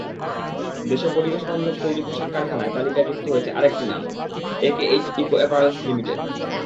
দেশে পরিবেশবান্ধব তৈরি পোশাক কারখানার তালিকায় যুক্ত হয়েছে আরেকটি নাম—একেএইচ ইকো অ্যাপারেলস লিমিটেড।